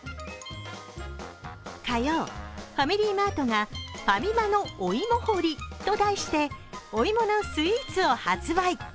火曜、ファミリーマートが「ファミマのお芋祭り」と題してお芋のスイーツを発売。